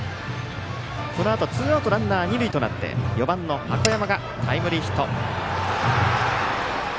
このあとツーアウトランナー、二塁となって４番の箱山がタイムリーヒット。